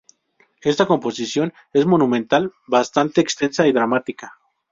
Esta composición es monumental, bastante extensa y dramática.